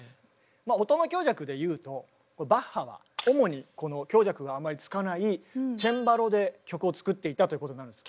音の強弱で言うとバッハは主にこの強弱があんまりつかないチェンバロで曲を作っていたということになるんです